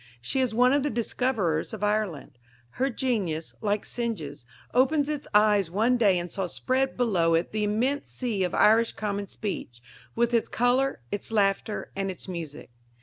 She is one of the discoverers of Ireland. Her genius, like Synge's, opened its eyes one day and saw spread below it the immense sea of Irish common speech, with its colour, its laughter, and its music.